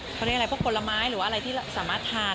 เขาเรียกอะไรพวกผลไม้หรือว่าอะไรที่สามารถทาน